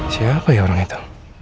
siapa ya orang itu